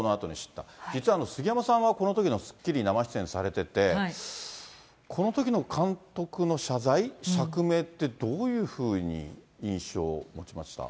実は杉山さんは、このときのスッキリに生出演されてて、このときの監督の謝罪、釈明って、どういうふうに印象を持ちました？